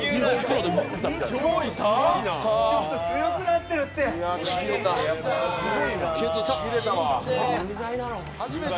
ちょっと強くなってるって！